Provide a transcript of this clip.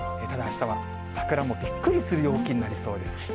ただ、あしたは桜もびっくりする陽気になりそうです。